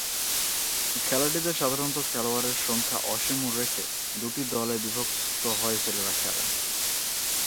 খেলাটিতে সাধারণত খেলোয়াড়ের সংখ্যা অসীম রেখে দুটি দলে বিভক্ত হয়ে ছেলেরা খেলে।